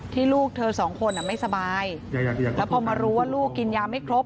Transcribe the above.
ลูกเธอสองคนไม่สบายแล้วพอมารู้ว่าลูกกินยาไม่ครบ